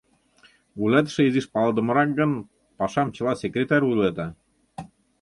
Вуйлатыше изиш палыдымырак гын, пашам чыла секретарь вуйлата.